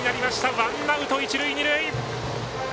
ワンアウト、一塁二塁。